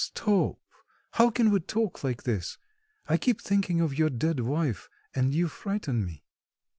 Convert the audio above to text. "Stop, how can we talk like this? I keep thinking of you dead wife, and you frighten me."